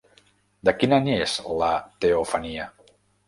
De quin any és la teofania?